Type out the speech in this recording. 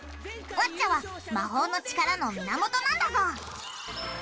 ワッチャは魔法の力の源なんだぞ。